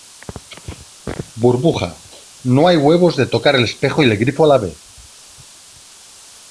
burbuja, no hay huevos de tocar el espejo y el grifo a la vez.